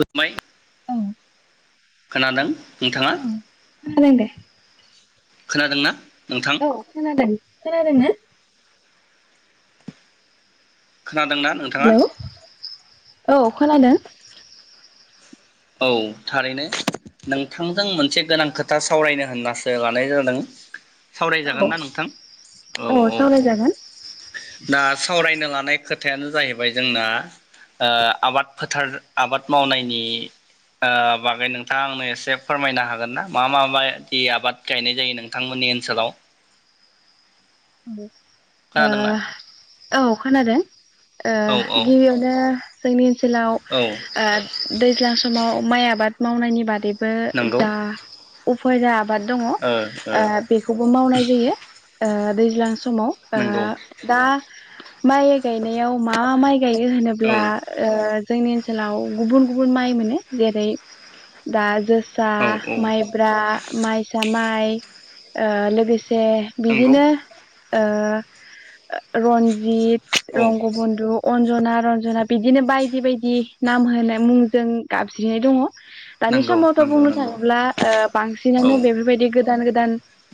खुदमै खोनादों नोंथाङा? [unintelligible] खोनादों दे खोनादोंना? नोंथां औ खोनादों खोनादोंना? खोनादोंना नोंथाङा हेल औ खोनादों? औ थारैनो नोंथांजों मोनसे गोनां खोथा सावरायनो होननासो लानाय जादों। सावरायजागोन ना नोंथां औ औ औ दा सावरायनो लानाय खोथायानो जाहैबाय जोंना ओ आबाद फोथार आबाद मावनायनि ओ बागै नोंथाङा आंनो एसे फोरमायनो हागोन ना मा मा मायदि आबाद गायनाय जायो नोंथांमोननि ओनसोलाव? [inaudible] ओ खोनादोंना औ खोनादों ओ औ औ गिबियावनो जोंनि ओनसोलाव औ ओ दैज्लां समाव माइ आबाद मावनायनि बादै बो नंगौ जा उफोराब आबाद दङ ओ बेखौबो मावनाय जायो ओ दैज्लां स समाव ओ नंगौ दा माइ गायनायाव मा माइ गायो औ होनोब्ला ओ जोंनि ओनसोलाव गुबुन गुबुन माइ मोनो जेरै दा जो सा औ औ माइब्रा माइसा मा आय ओ लोगोसे जे नंगौ बिदिनो ओ रन्जित, औ रंग बन्दु' अन्जना, रन्जना बिदिनो बायदि बायदि नाम होनाय मुंजों गाबज्रिनाय दङ। दानि नंगौ समावथ' नंगौ बुंनो नंगौ थाङोब्ला ओ औ बांसिनानो बेफोरबायदि गोदान गोदान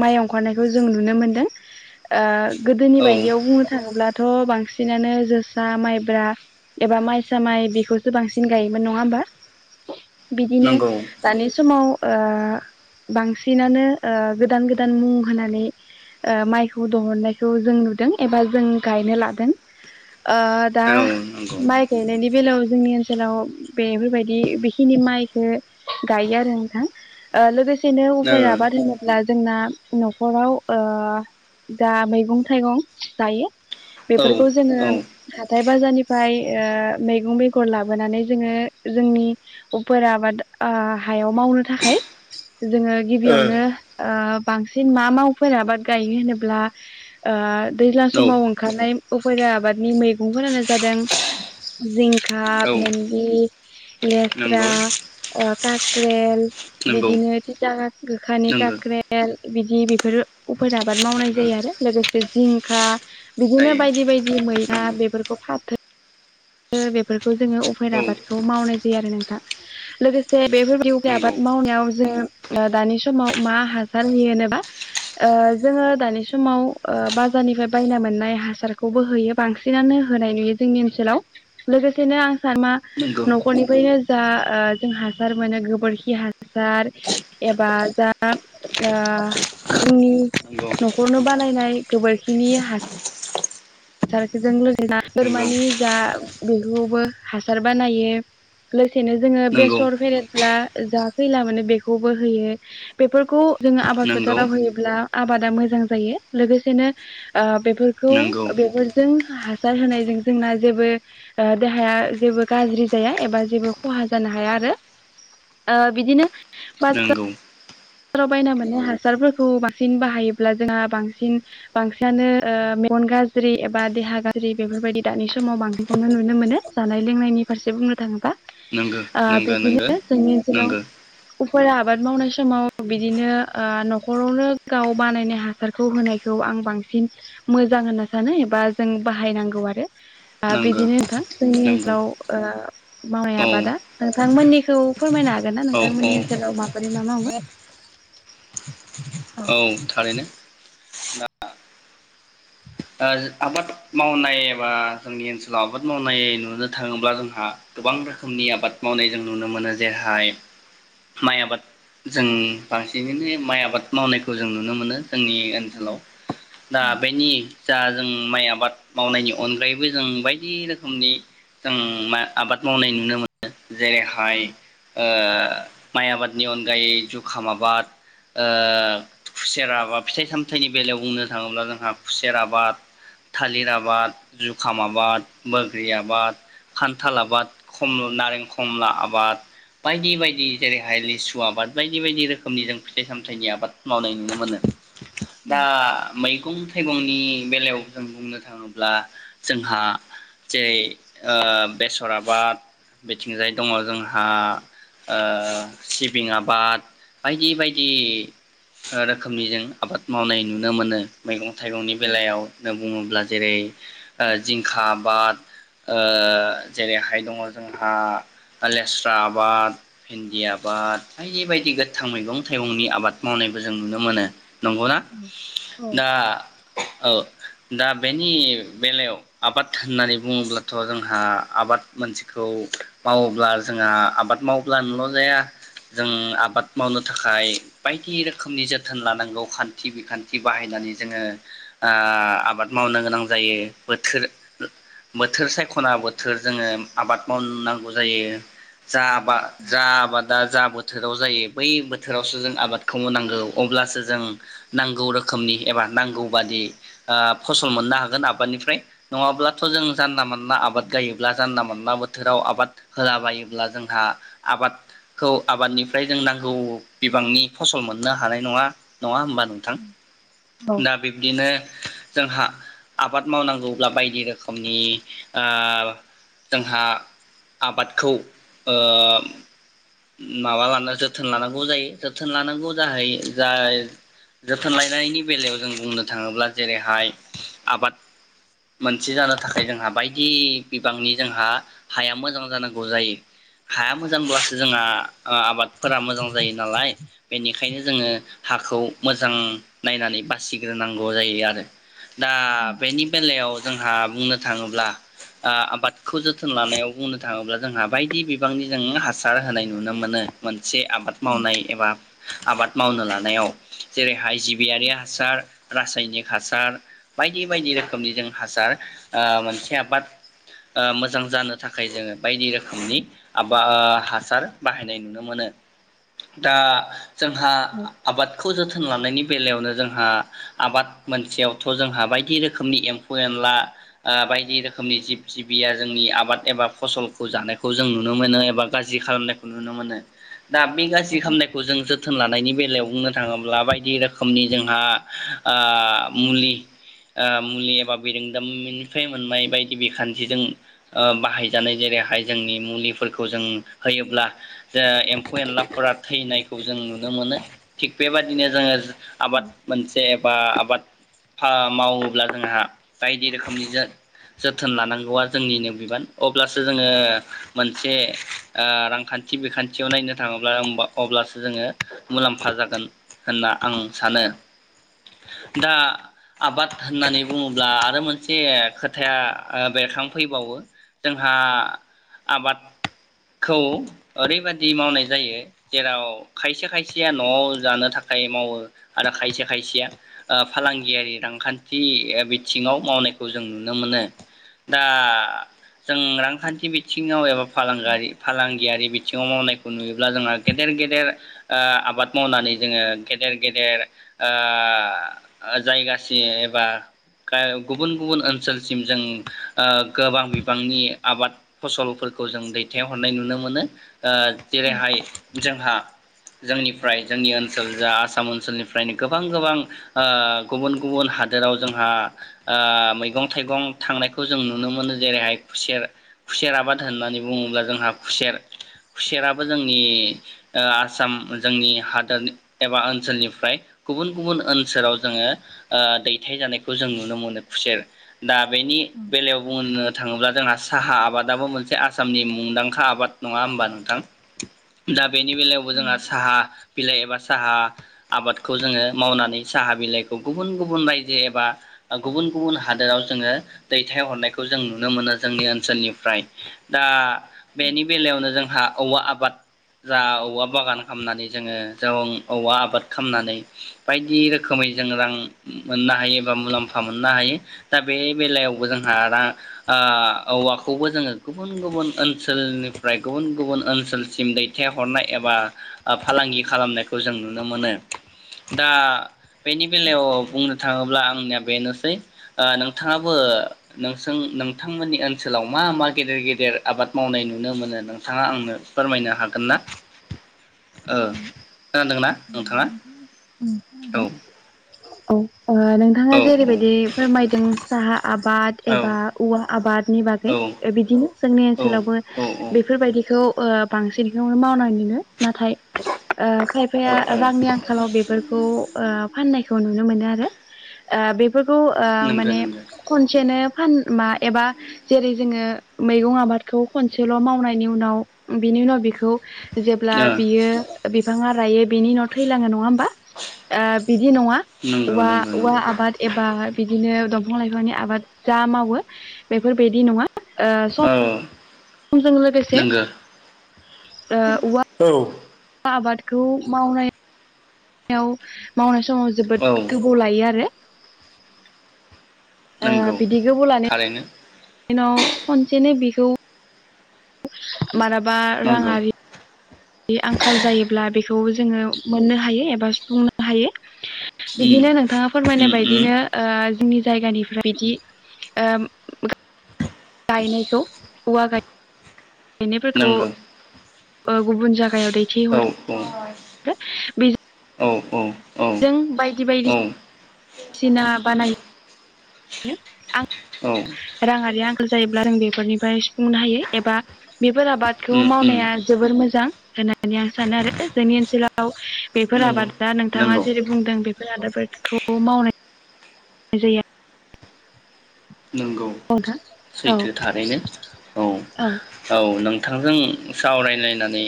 माइ ओंखारनाय बेखौ जों नुनो मोन्दों। ओ गोदोनि औ बायदियाव बुंनो थाङोब्ला थ' बांसिनानो जोसा माइब्रा एबा माइसा माइ बेखौसो बांसिन गायोमोन नङा होमबा? बिदिनो नंगौ दानि समाव ओह बांसिनानो ओ गोदान गोदान मुं होनानै ओ माइखौ दहननायखौ जों नुदों एबा जों गायनो लादों। ओह दा औ नंगौ माइ गायनायनि बेलायाव जोंनि ओनसोलाव बेफोरबायदि बेखिनि माइखो गायो आरो नोंथां ओ लोगोसे [unintelligible] होनोब्ला जोंना न'खराव ओह दा मैगं थाइगं गायो। ओ औ बेफोरखौ जोङो औ हाथाइ बाजारनिफ्राय ओ मैगं बेगर लाबोनानै जोङो जोंनि उफार आबाद ओ हायाव मावनो थाखाय जोङो गिबियावनो ओ बांसिन मा मावफोर आबाद गायो होनोब्ला ओ दैज्लां ओ समाव ओंखारनाय उफेरा आबादनि मैगंफोरानो जादों जिंखा औ भेन्दि लेस्रा नंगौ ओ खाख्रेल नंगौ बिदिनो थिथा गोखानि नंगौ खाख्रेल बिदि बेफोरो उफेर आबाद मावनाय नंगौ जायो आरो लोगोसे जिंखा बिदिनो जायो बायदि बायदि मैना नंगौ बेफोरखौ फाथो ओ बेफोरखौ जोङो उफेरा औ आबादखौ मावनाय जायो आरो नोंथां लोगोसे बेफोरदि उफेर नंगौ आबाद मावनायाव जोङो ओ दानि समाव मा हासार होयो होनोबा जोङो दानि समाव ओ बाजारनिफ्राय बायना मोननाय हासारखौबो होयो बांसिनानो होनाय नुयो जोंनि ओनसोलाव। लोगोसेनो आं सानो मा नंगौ न'खरनिफ्रायनो जा ओह जों हासार मोनो गोबोरखि हासार एबा जा ओ जोंनि न'खरनो बानायनाय गोबोरखिनि हा सारजों लोगोसे नंगौ बोरमानि जा बेखौबो हासार बानायो। बेसेनो जोङो नंगौ बेसर फेरेद ब्ला जा खैला मोनो बेखौबो होयो बेफोरखौ जोङो आबाद नंगौ फोथाराव होयोब्ला आबादा मोजां जायो लोगोसेनो ओ बे नंगौ फोरजों हासार होनायजों जोंना जेबो ओ देहाया जेबो गाज्रि जाया एबा जेबो खहा जानो हाया आरो ओ बिदिनो बाजार नोंगौ बाजाराव बायना मोननाय हासारफोरखौ बांसिन बाहायोब्ला जोंहा बांसिन बांसिनानो ओ मेगन गाज्रि एबा देहा गाज्रि बेफोरबायदि दानि समाव बांसिनखौनो नुनो मोनो जानाय लोंनायनि फारसे बुंनो थाङोब्ला। नोंगौ नोंगौ नोंंगो ओनसोलाव नोंगो। उफेरा आबाद मावनाय समाव बिदिनो ओ न'खरावनो गाव बानायनाय हासारखौ होनायखौ आं बांसिन मोजां होनना सानो एबा जों बाहायनांगौ आरो आ नंगौ नंगौ बिदिनो नोंथां जोंनि नंगौ ओनसोलाव ओ मावनाय औ आबादा। नोंथांमोननिखौ फोरमायनो हागोन ना औ औ नोंथांमोननि ओनसोलाव माबोरै मा मावो? औ थारैनो आ आबाद मावनाय एबा जोंनि ओनसोलाव आबाद मावनाय नुनो थाङोब्ला जोंहा गोबां रोखोमनि आबाद मावनाय जों नुनो मोनो जेरहाय माइ आबाद जों बांसिनैनो माइ आबाद मावनायखौ जों नुनो मोनो जोंनि ओनसोलाव दा बेनि जा जों माइ आबाद मावनायनि अनगायैबो जों बायदि रोखोमनि जों माइ आबाद मावनाय नुनो मोनो जेरैहाय ओ माइ आबादनि अनगायै जुखाम आबाद ओ खुसेराबा फिथाइ सामथाइनि बेलायाव बुंनो थाङोब्ला जोंहा खु सेर आबाद थालिर आबाद जुखाम आबाद बग्रि आबाद खान्थाल आबाद नारें खमला आबाद बायदि बायदि जेरैहाय लिसु आबाद बायदि बायदि रोखोमनि जों फिथाइ सामथाइनि आबाद मावनाय नुनो मोनो दा मै गं थाइगं नि बेलायाव जों बुंनो थाङोब्ला जोंहा जेरै बेसर आबाद बिथिंजाय दङ जोंहा सिबिं आबाद बायदि बायदि रोखोमनि जों आबाद मावनाय नुनो मोनो मैगं थाइगंनि बेलायाव जों बुङोब्ला जेरै ओ जिंखा आबाद ओ जेरैहाय दङ जोंहा लेस्रा आबाद भिन्दि आबाद बायदि बायदि गोथां मैगं थाइगंनि आबाद मावनायबो जों नुनो मोनो नंगौना दा औ दा बेनि बेलायाव आबाद होननानै बुङोब्लाथ' जोंहा आबाद मानसिखौ मावोब्ला जोंहा आबाद माव्लानोल' जाया जों आबाद मावनो थाखाय बायदि रोखोमनि जोथोन लानांगौ खान्थि बिखान्थि बाहायनानै जोङो आबाद मावनो गोनां जायो बोथोर बोथोर सायख'ना आ बोथोर जोङो आबाद मावनांगौ जायो जा आबाद जा आबादा जा बोथोराव जायो बै बोथोरावसो जों आबादखौनांगौ अब्लासो जों नांगौ रोखोमनि एबा नांगौ बादि फसल मोननो हागोन आबादनिफ्राय नङाब्लाथ' जों जानला मोनानला आबाद गायोब्ला जानला मोनला बोथोराव आबाद होलाबायोब्ला जोंहा आबादखौ आबादनिफ्राय जों नांगौ बिबांनि फसल मोननो हानाय नङा नङा होमबा नोंथां दा बे बिदिनो जोंहा आबाद मावनांगौब्ला बायदि रोखोमनि जोंहा आबादखौ माबा लानो जोथोन लानांगौ जायो जोथोन लानांगौ जाहै ज जोथोन लानायनि बेलायाव जों बुंनो बुंनो थाङोब्ला जेरैहाय आबाद मोनसे जानो थाखाय जोंहा बायदि बिबांनि जोंहा हाया मोजां जानांगौ जायो हाया मोजांब्लासो जोंहा आबादफोरा मोजां जायो नालाय बेनिखायनो जोङो हाखौ मोजां नायनानै बासि ग्रोनांगौ जायो आरो दा बेनि बेलायाव जोंहा बुंनो थाङोब्ला आबादखौ जोथोन लानायाव बुंनो थाङोब्ला जोंहा बायदि बिबांनि जोङो हासार होनाय नुनो मोनो मोन से आबाद मावनाय एबा आबाद मावनो लानायाव जेरै हाय जिबियारि हासार रासायनिक हासार बायदि बायदि रोखोमनि जों हासार मोनसे आबाद मोजां जानो थाखाय जोङो बायदि रोखोमनि आबाद हासार बाहायनाय नुनो मोनो दा जोंहा आबादखौ जोथोन लानायनि बेलायावनो जोंहा आबाद मोनसेयावथ' जोंहा बायदि रोखोमनि एम्फौ एनला बायदि रोखोमनि जिब जिबिया जोंनि आबाद एबा फसलखौ जानायखौ जों नुनो मोनो एबा गाज्रि खालामनायखौ नुनो मोनो दा बे गाज्रि खालामनायखौ जों जोथोन लानायनि बेलायाव बुंनो थाङोब्ला बायदि रोखोमनि जोंहा आ मुलि ओ मुलि एबा बिरोंदामनिफ्राय मोननाय बायदि बिखान्थिजों बाहायजानाय जेरैहाय जोंनि मुलिफोरखौ जों होयोब्ला ज एम्फौ एनलाफोरा थैनायखौ जों नुनो मोनो थिग बेबायदिनो जोङो आबाद मोनसे बा आबाद मावोब्ला जोंहा बायदि रोखोमनि जोथोन लानांगौआ जोंनिनो बिबान अब्लासो जोङो मोनसे रांखान्थि बिखान्थियाव नायनो थाङोब्ला अब्लासो जोङो मुलाम्फा जागोन होनना आं सानो दा आबाद होननानै बुङोब्ला आरो मोनसे खोथाया बेरखांफैबावो जोंहा आबादखौ ओरैबाददि मावनाय जायो जेराव खायसे खायसेया न'आव जानो थाखाय मावो आरो खायसे खायसेया फालांगियारि रांखान्थि बिथिङाव मावनायखौ जों नुनो मोनो दा जों रांखान्थि बिथिङाव एबा फालांगारि फालांगियारि बिथिङाव मावनायखौ नुयोब्ला जोंहा गेदेर गेदेर आबाद मावनानै जोङो गेदेर गेदेर आ जायगा थि एबा [unintelligible] गुबुन गुबुन ओनसोलसिम जों ओ गोबां बिबांनि आबाद फसलफोर खौ जों दैथायहरनाय नुनो मोनो ओ जेरैहाय जोंहा जोंनिफ्राय जोंनि ओनसोल जा आसाम ओनसोलनिफ्रायनो गोबां गोबां ओ गुबुन गुबुन हादोराव जोंहा ओ मैगं थाइगं थांनायखौ जों नुनो मोनो जेरैहाय खुसेर खुसेर आबाद होननानै बुङोब्ला जोंहा खुसेर खुसेराबो जोंनि ओ आसाम जोंनि हादोर एबा ओनसोलनिफ्राय गुबुन गुबुन ओनसोलाव जोङो ओ दैथाय जानायखौ जों नुनो मोनो खुसेर दा बेनि बेलायाव बुंनो थाङोब्ला जोंहा साहा आबादाबो मोनसे आसामनि मुंदांखा आबाद नङा होनबा नोंथां? दा बेनि बेलायावबो जोंहा साहा बिलाइ एबा साहा आबाद खौ जोङो मावनानै साहा बिलाइखौ गुबुन गुबुन राइजो एबा गुबुन गुबुन हादोराव जोङो दैथायहरनायखौ जों नुनो मोनो जोंनि ओनसोलनिफ्राय दा बेनि बेलायावनो जोंहा औवा आबाद जा औवा बागान खामनानै जोङो जं औवा आबाद खामनानै बायदि रोखोमै जों रां मोननो हायो एबा मुलाम्फा मोननो हायो दा बे बेलायावबो जोंहा रां औवाखौबो जोङो गुबुन गुबुन ओनसोलनिफ्राय गुबुन गुबुन ओनसोलसिम दैथायहरनाय एबा ओ फालांगि खालामनायखौ जों नुनो मोनो। दा बेनि बेलायाव बुंनो थाङोब्ला आंनिया बेनोसै ओ नोंथाङाबो नोंसों नोंथांमोननि ओनसोलाव मा मा गेदेर गेदेर आबाद मावनाय नुनो मोनो नोंथाङा आंनो फोरमायनो हागोन ना? ओ [unintelligible] ना नोंथाङा? औ औ ओ नोंथाङा औ जेरैबायदि फोरमायदों साहा आबाद औ एबा औवा आबादनि बागै बिदिनो जोंनि औ ओनसोलावबो औ ओ ओ बेफोरबायदिखौ ओ बांसिनखौनो मावनानैनो नाथाय ओ खाय फाया रांनि आंखालाव बेफोरखौ ओ फाननायखौ नुनो मोनो आरो ओ बे फोरखौ ओ नंगौ माने नंगौ खनसेनो फान मा एबा जेरै जोङो मैगं आबादखौ खनसेल' मावनायनि उनाव बेनि उनाव बेखौ जेब्ला ओ बियो बि फाङा रायो बेनि उनाव थैलाङो नङाहोम बा ओ बिदि नङा नंगौ औवा नंगौ औवा नंगौ आबाद एबा बि बिदिनो दंफां लाइफांनि आबाद जा मावो बेफोरबायदि नङा औ। जों लोगोसे नंगौ ओ औवा औ। आबादखौ मावनाय। याव मावनाय‌ स समाव औ जोबोद गोबाव लायो आरो। ओ नंगौ बिदि गोबौ लानो थारैनो नाव खनसेनो बेखौ। माराबा नंगौ राङारि। ऐ आंखाल जायोब्ला बेखौ जोङो मोननो हायो एबा सुफुंनो हायो। उम बिदिनो नोंथाङा फोरमायनाय उम उम बायदिनो ओ जोंनिज जायगानिफ्राय बिदि ओम। गायनायखौ औवा गाय ऐनायफोरखौ। नंगौ ओ गुबुन जागायाव औ दैथायहर रो बेजि औ औ। जों बायदि औ बायदिस सिना बानायो। यो आं औ राङारि आं ल जायोब्ला जों बेफोरनिफाय सु फुंनो हायो एबा बेफोर आबादखौ उम उम मावनाया जोबोर मोजां। होनाथ नानै आं सानो आरो जोंनि ओनसोलाव बेफोर नंगौ आबादा नोंथाङा नंगौ जेरै बुंदों बेफोर आदाबफोरखौ मावनाय [unintelligible] नोंगौ सैथो थारैनो औ औ नोंथांजों। सावरायलायनानै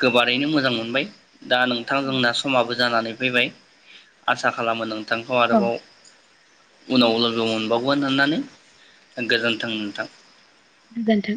गोबारैनो मोजां मोनबाय। दा नोंथां जोंना समाबो‌ज जानानै फैबाय आसा खालामो नों। थांखौ आरोबाव। उनावलोगो मोनब औवान होनानै गोजोन्थों मोनथां। गोजोन्थों।